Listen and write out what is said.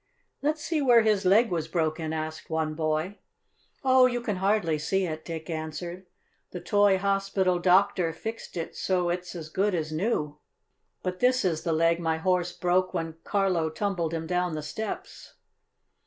"Let's see where his leg was broken," asked one boy. "Oh, you can hardly see it," Dick answered. "The toy hospital doctor fixed it so it's as good as new. But this is the leg my Horse broke when Carlo tumbled him down the steps."